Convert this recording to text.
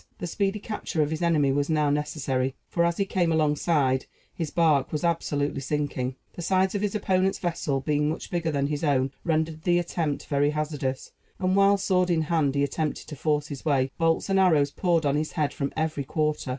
The speedy capture of his enemy was now necessary; for, as he came alongside, his barque was absolutely sinking. The sides of his opponent's vessel being much higher than his own rendered the attempt very hazardous; and while, sword in hand, he attempted to force his way, bolts and arrows poured on his head from every quarter.